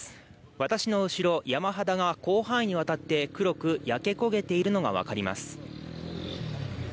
私の後ろ山肌が広範囲にわたって黒く焼け焦げているのがわかります。